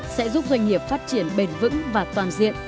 sẽ giúp doanh nghiệp phát triển bền vững và toàn diện